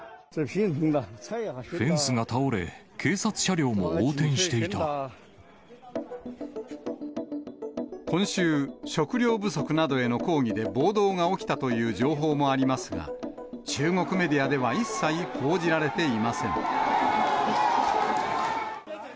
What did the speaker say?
フェンスが倒れ、警察車両も今週、食料不足などへの抗議で暴動が起きたという情報もありますが、中国メディアでは一切報じられていません。